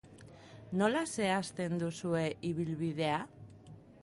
Nola zehazten duzue ibilbidea?